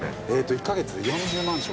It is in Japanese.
１カ月で４０万食。